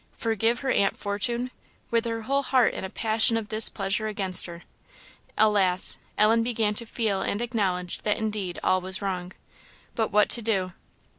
Forgive her aunt Fortune! with her whole heart in a passion of displeasure against her. Alas! Ellen began to feel and acknowledge that indeed all was wrong. But what to do?